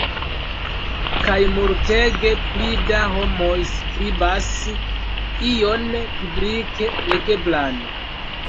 Kaj multege pli da homoj skribas ion publike legeblan.